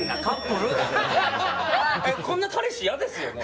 こんな彼氏嫌ですよね？